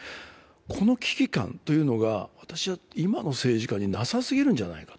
この危機感というのが私は今の政治家になさすぎるんじゃないかと。